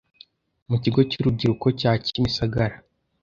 mu kigo cy’urubyiruko cya Kimisagara